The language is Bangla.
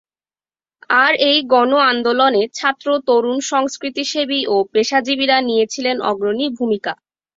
আর এই গণ আন্দোলনে ছাত্র তরুণ সংস্কৃতিসেবী ও পেশাজীবীরা নিয়েছিলেন অগ্রণী ভূমিকা।